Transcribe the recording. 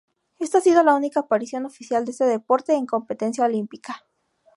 Esta ha sido la única aparición oficial de este deporte en competencia olímpica.